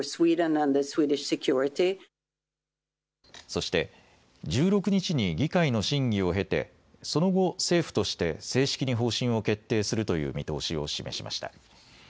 そして１６日に議会の審議を経てその後、政府として正式に方針を決定するという見通しを示しました。